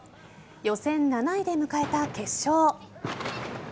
予選７位で迎えた決勝。